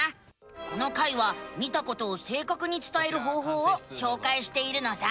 この回は見たことをせいかくにつたえる方法をしょうかいしているのさ。